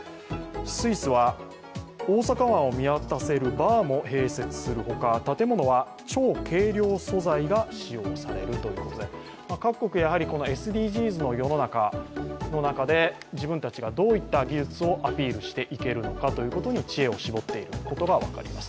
スイスは大阪湾を見渡せるバーも併設するほか建物は超軽量素材が使用されるということで各国、ＳＤＧｓの世の中で自分たちがどういった技術をアピールしていけるのかに知恵を絞っていることが分かります。